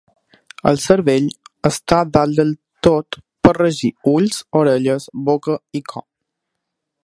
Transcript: El cervell està dalt de tot per regir ulls, orelles, boca i cor.